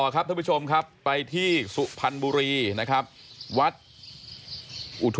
ภาพก็ไกลไปหน่อยไม่ให้เห็น